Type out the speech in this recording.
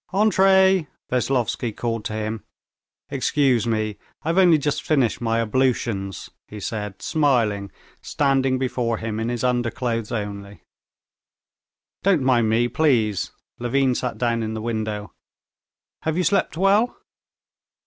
"Entrez!" Veslovsky called to him. "Excuse me, I've only just finished my ablutions," he said, smiling, standing before him in his underclothes only. "Don't mind me, please." Levin sat down in the window. "Have you slept well?"